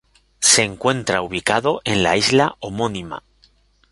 Se encuentra ubicado en la isla homónima.